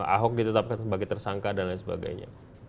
ahok ditetapkan sebagai tersangka dan lain sebagainya